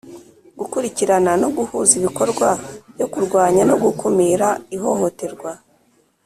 gukurikirana no guhuza ibikorwa byo kurwanya no gukumira ihohoterwa